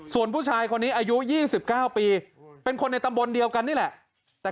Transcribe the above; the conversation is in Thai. ส่วนผู้ชายคนนี้อายุ๒๙ปีเป็นคนในตำบลเดียวกันนี่แหละ